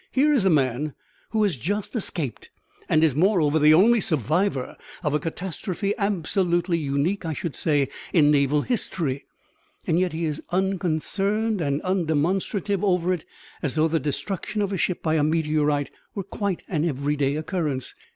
"Here is a man who has just escaped and is, moreover, the only survivor of a catastrophe absolutely unique, I should say, in naval history, yet he is as unconcerned and undemonstrative over it as though the destruction of a ship by a meteorite were quite an everyday occurrence.